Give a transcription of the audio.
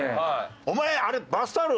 お前あれ。